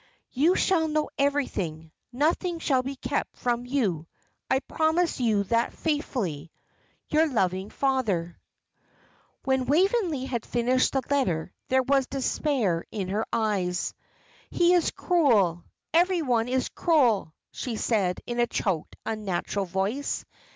You shall know everything: nothing shall be kept from you I promise you that faithfully. "Your loving "FATHER." When Waveney had finished the letter, there was despair in her eyes. "He is cruel. Every one is cruel," she said, in a choked, unnatural voice.